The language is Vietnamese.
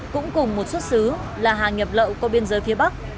cũng cùng một xuất xứ là hàng nhập lậu qua biên giới phía bắc